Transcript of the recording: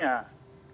ya tapi manusianya